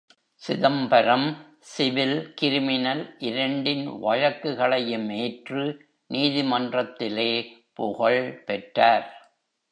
Chidambaram, civil criminal இரண்டின் வழக்குகளையும் ஏற்று நீதிமன்றத்திலே புகழ் பெற்றார்.